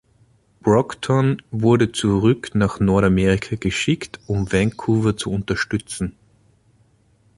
Broughton wurde zurück nach Nordamerika geschickt, um Vancouver zu unterstützen.